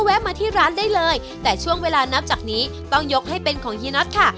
มาที่ร้านได้เลยแต่ช่วงเวลานับจากนี้ต้องยกให้เป็นของเฮียน็อตค่ะ